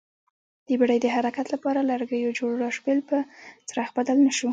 د بېړۍ د حرکت لپاره لرګیو جوړ راشبېل په څرخ بدل نه شو